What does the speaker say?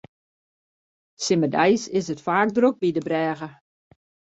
Simmerdeis is it faak drok by de brêge.